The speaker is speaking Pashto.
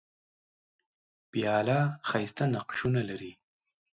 پیاله ښايسته نقشونه لري.